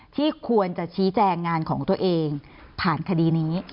ที่ควรจะชี้แจงงานของตัวเองผ่านคดีนี้